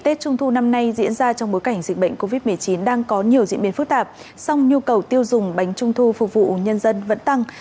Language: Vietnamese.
tết trung thu năm nay diễn ra trong bối cảnh dịch bệnh covid một mươi chín đang có nhiều diễn biến phức tạp song nhu cầu tiêu dùng bánh trung thu phục vụ nhân dân vẫn tăng